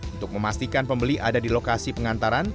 untuk memastikan pembeli ada di lokasi pengantaran